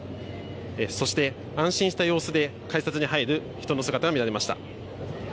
そして安心した様子で改札に入る人の姿が見られました。